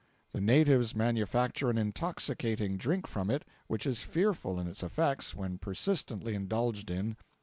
The natives manufacture an intoxicating drink from it which is fearful in its effects when persistently indulged in.